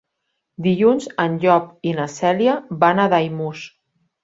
Dilluns en Llop i na Cèlia van a Daimús.